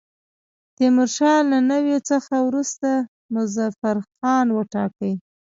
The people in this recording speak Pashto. تیمورشاه له نیولو څخه وروسته مظفرخان وټاکی.